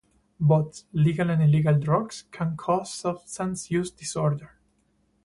Both legal and illegal drugs can cause substance use disorder.